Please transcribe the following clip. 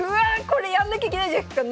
これやんなきゃいけないじゃないですか！